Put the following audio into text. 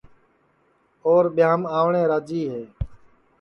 اور ٻیاںم آوٹؔے راجی ہے